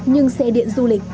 nhưng xe điện du lịch